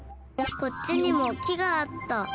こっちにも木があった。